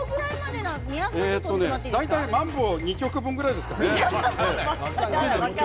大体マンボ２曲分ぐらいですかね。